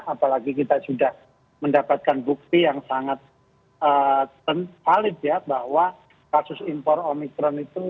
apalagi kita sudah mendapatkan bukti yang sangat valid ya bahwa kasus impor omicron itu